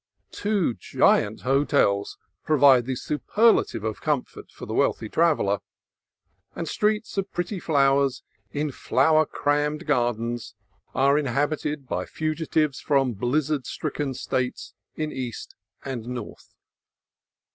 Two giant hotels provide the superlative of comfort for the wealthy traveller, and streets of pretty houses in flower crammed gar dens are inhabited by fugitives from blizzard stricken States in East and North.